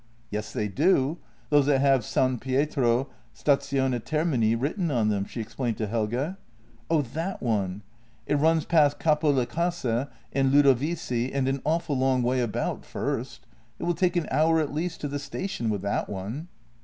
" Yes, they do. Those that have San Pietro, stazione Ter mini, written on them," she explained to Helge. " Oh, that one ! It runs past Capo le Case and Ludovisi and an awful long way about first — it will take an hour at least to the station with that one."